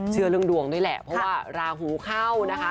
เชื่อเรื่องดวงด้วยแหละเพราะว่าราหูเข้านะคะ